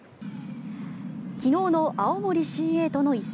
昨日の青森ＣＡとの一戦。